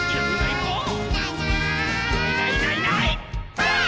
ばあっ！